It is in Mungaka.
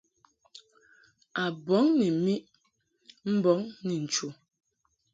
A bɔŋ ni miʼ mbɔŋ ni nchu.